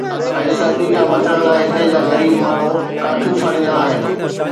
۽ سردي کان بچڻ لاءِ هتي جا غريب ماڻهو ڪاٺيون ساڙيندا آهن.